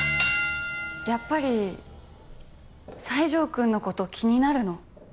やっぱり西条くんの事気になるの？